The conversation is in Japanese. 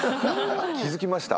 気付きました？